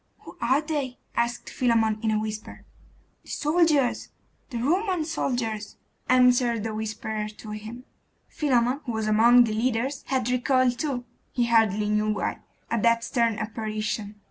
'Who are they?' asked Philammon in a whisper. 'The soldiers the Roman soldiers,' answered a whisperer to him. Philammon, who was among the leaders, had recoiled too he hardly knew why at that stern apparition.